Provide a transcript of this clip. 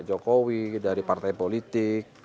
jokowi dari partai politik